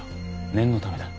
念のためだ。